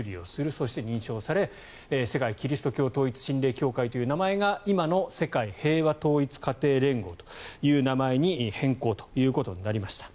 そして認証され世界基督教統一神霊協会という名前が今の世界平和統一家庭連合という名前に変更ということになりました。